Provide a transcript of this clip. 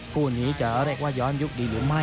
คู่นี้จะเรียกว่าย้อนยุคดีหรือไม่